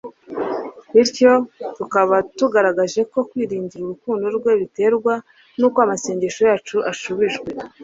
bityo tukaba tugaragaje ko kwiringira urukundo rwe biterwa n'uko amasengesho yacu ashubijwe.